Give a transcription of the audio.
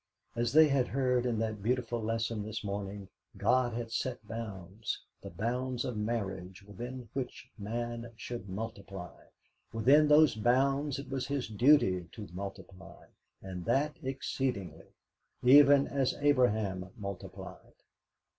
As they had heard in that beautiful Lesson this morning, God had set bounds, the bounds of marriage, within which man should multiply; within those bounds it was his duty to multiply, and that exceedingly even as Abraham multiplied.